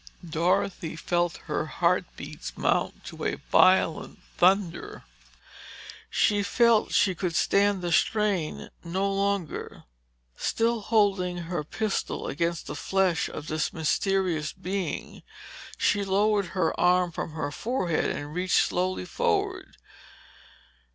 Dorothy felt her heart beats mount to a violent thunder. She felt she could stand the strain no longer. Still holding her pistol against the flesh of this mysterious being, she lowered her arm from her forehead and reached slowly forward.